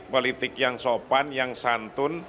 politik yang sopan yang santun